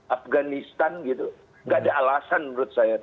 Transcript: afghanistan gitu gak ada alasan menurut saya